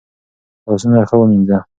لاسونه ښه ومینځه.